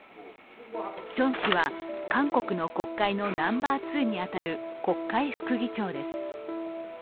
チョン氏は、韓国の国会のナンバー２に当たる国会副議長です。